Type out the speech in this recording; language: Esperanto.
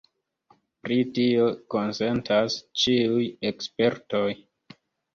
Pri tio konsentas ĉiuj ekspertoj.